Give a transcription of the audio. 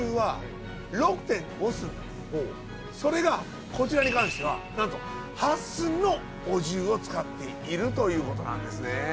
それがこちらに関してはなんと８寸のお重を使っているということなんですね。